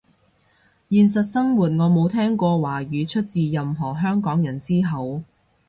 現實生活我冇聽過華語出自任何香港人之口